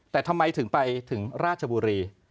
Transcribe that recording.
แต่ทำไมถึงไปถึงราชบุรี